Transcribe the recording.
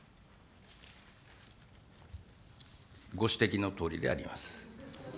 ご指摘のとおりであります。